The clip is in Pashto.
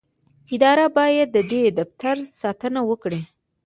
اداره باید د دې دفتر ساتنه وکړي.